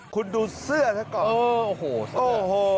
คุณดูเสื้อซะก่อนโอ้โห